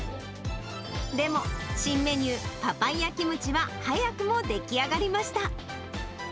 でも、新メニュー、パパイヤキムチは早くも出来上がりました。